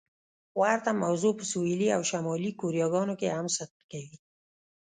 ورته موضوع په سویلي او شمالي کوریاګانو کې هم صدق کوي.